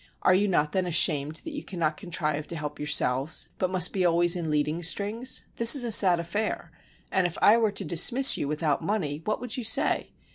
Are you not then ashamed that you cannot contrive to help yourselves, but must be always in leading strings? This is a sad affair, and if I were to dismiss you without money, what would you say?